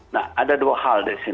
nah ada dua hal